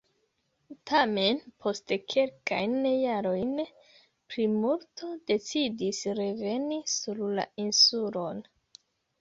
Tamen, post kelkajn jarojn, plimulto decidis reveni sur la insulon.